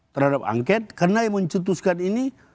terhadap angket karena yang mencetuskan ini